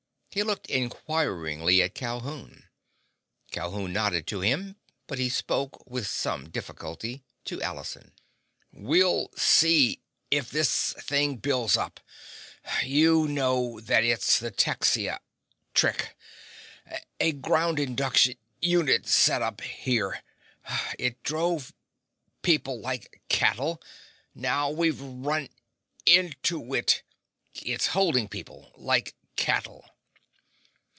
He looked inquiringly at Calhoun. Calhoun nodded to him, but he spoke—with some difficulty—to Allison. "We'll see—if this thing—builds up. You know that it's the Texia—trick. A ground induction unit set up—here. It drove people—like cattle. Now we've—run into it.—It's holding people—like cattle."